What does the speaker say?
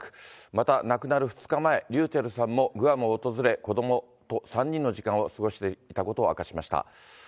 また亡くなる２日前、ｒｙｕｃｈｅｌｌさんもグアムを訪れ、子どもと３人の時間を過ごしていたことを明かしました。